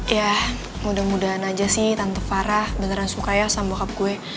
ya mudah mudahan aja sih tante farah beneran suka ya sama bokap gue